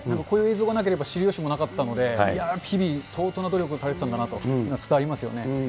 こういう映像がなければ知るよしもなかったので、いやぁ、日々、相当な努力をされてたんだなと伝わりますよね。